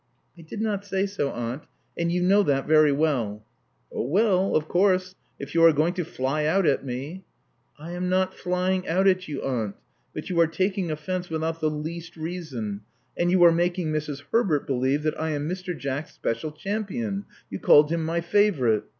I did not say so, aunt; and you know that very well.'' '*Oh, well, of course if you are going to fly out at me " I am not flying at you, aunt; but you are taking offence without the least reason; and you are making Mrs. Herbert believe that I am Mr. Jack's special champion — ^you called him my favorite.